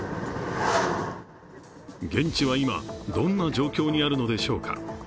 現地は今、どんな状況にあるのでしょうか。